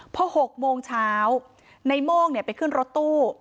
พอ๖โมงเช้าในโม่งไปขึ้นรถตู้